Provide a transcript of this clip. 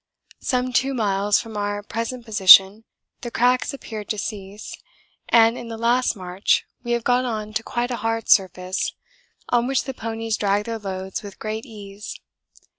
Some 2 miles from our present position the cracks appeared to cease, and in the last march we have got on to quite a hard surface on which the ponies drag their loads with great ease.